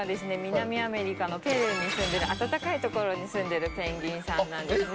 南アメリカのペルーにすんでる暖かい所にすんでるペンギンさんなんですね